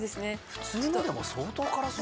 普通のでも相当辛そう。